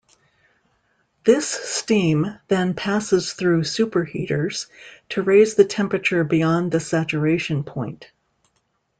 This steam then passes through superheaters to raise the temperature beyond the saturation point.